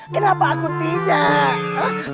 kenapa aku tidak